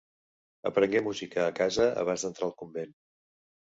Aprengué música a casa, abans d'entrar al convent.